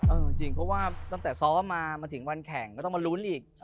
จริงเพราะว่าตั้งแต่ซ้อมมามาถึงวันแข่งก็ต้องมาลุ้นอีก